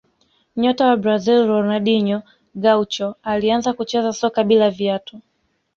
nyota wa brazil ronaldinho gaucho alianza kucheza soka bila viatu